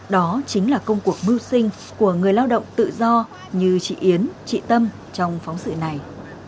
đó chính là công cuộc mưu sinh của người lao động tự do như chị yến chị tâm trong phóng sự này